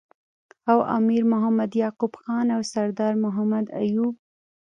او امیر محمد یعقوب خان او سردار محمد ایوب